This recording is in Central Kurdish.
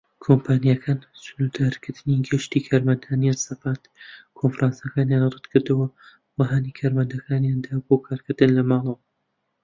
کۆمپانیاکان سنوردارکردنی گەشتی کارمەندانیان سەپاند، کۆنفرانسەکانیان ڕەتکردەوە، و هانی کارمەندانیاندا بۆ کارکردن لە ماڵەوە.